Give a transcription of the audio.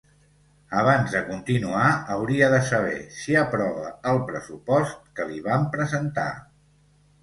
Abans de continuar hauria de saber si aprova el pressupost que li vam presentar.